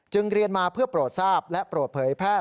เรียนมาเพื่อโปรดทราบและโปรดเผยแพทย